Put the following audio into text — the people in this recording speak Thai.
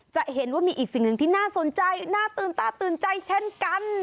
จะเห็นว่ามีอีกสิ่งหนึ่งที่น่าสนใจน่าตื่นตาตื่นใจเช่นกัน